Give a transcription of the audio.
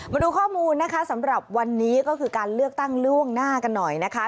มาดูข้อมูลนะคะสำหรับวันนี้ก็คือการเลือกตั้งล่วงหน้ากันหน่อยนะคะ